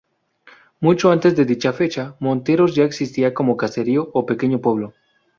Mucho antes de dicha fecha, Monteros ya existía como caserío o pequeño pueblo.